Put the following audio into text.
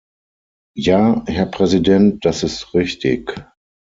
Ja, Herr Präsident, das ist richtig.